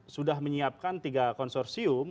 sudah menyiapkan tiga konsorsium